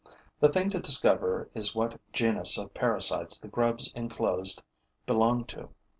The thing to discover is what genus of parasites the grubs enclosed belong to.